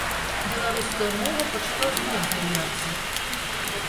Беларуская мова пачала зноў з'яўляцца.